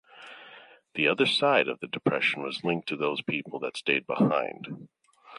The other side of the depression was linked to those people that stayed behind.